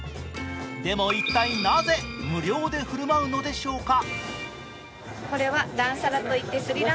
でも一体なぜ無料で振る舞うのでしょうか。